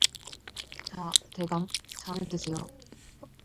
자 대감, 잔을 드세요.